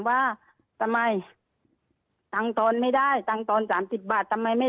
ว่าทำไมตังค์ทอนไม่ได้ตังค์ตอน๓๐บาททำไมไม่